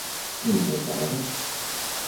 En què es va basar?